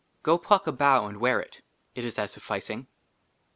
GO PLUCK A BOUGH AND WEAR IT. IT IS AS SUFFICING.